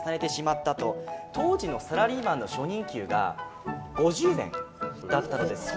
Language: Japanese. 当時のサラリーマンの初任給が５０円だったので相当。